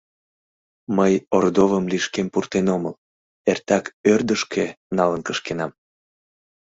Мый Ордовым лишкем пуртен омыл, эртак ӧрдыжкӧ налын кышкенам.